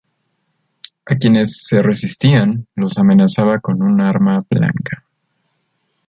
A quienes se resistían los amenazaba con un arma blanca.